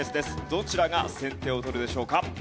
どちらが先手を取るでしょうか？